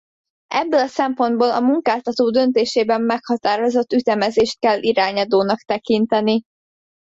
Ebből a szempontból a munkáltató döntésében meghatározott ütemezést kell irányadónak tekinteni.